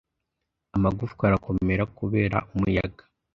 amagufwa arakomera kubera umuyaga